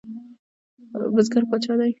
بزګر پاچا دی؟